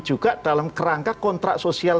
juga dalam kerangka kontrak sosial